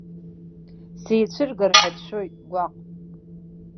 Сицәыргар ҳәа дшәоит, гәаҟ!